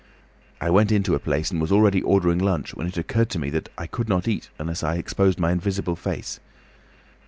I went into a place and was already ordering lunch, when it occurred to me that I could not eat unless I exposed my invisible face.